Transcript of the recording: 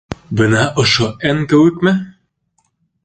Бына ошо «Н» кеүекме?